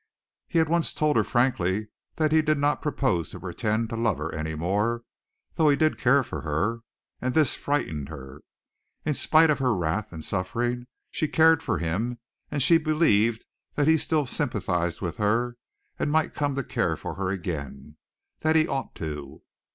He had once told her frankly that he did not propose to pretend to love her any more, though he did care for her, and this frightened her. In spite of her wrath and suffering she cared for him, and she believed that he still sympathized with her and might come to care for her again that he ought to.